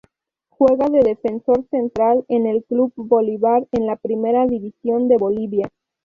Juega de Defensor Central en el Club Bolívar en la Primera División de Bolivia.